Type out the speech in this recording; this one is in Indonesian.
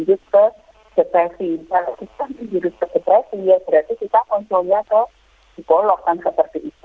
kalau kita menjadikan depresi ya berarti kita konsulnya kok dikolok kan seperti itu